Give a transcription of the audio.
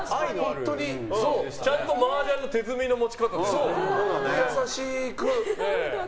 ちゃんとマージャンの手積みの持ち方だった。